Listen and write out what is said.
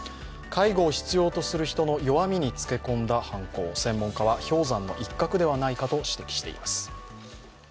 介護を必要とする人の弱みにつけ込んだ犯行、専門家は氷山の一角ではないかと指摘しています。